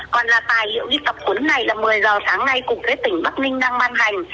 còn là tài hiệu đi tập quấn này là một mươi h sáng nay cục kế tỉnh bắc ninh đang ban hành